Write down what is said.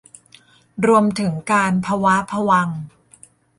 รวมถึงการพะว้าพะวัง